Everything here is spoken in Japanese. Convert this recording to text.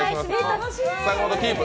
阪本、キープ！